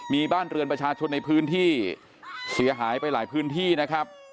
มีบ้านเรือนประชาชนในพื้นที่เสียหายไปหลายพื้นที่นะครับ